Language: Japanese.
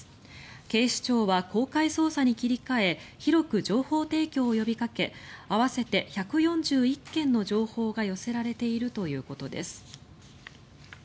警視庁は公開捜査に切り替え広く情報提供を呼びかけ合わせて１４１件の情報が寄せられているということです。